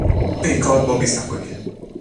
پیکار با بیسوادی